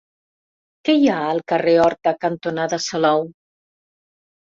Què hi ha al carrer Horta cantonada Salou?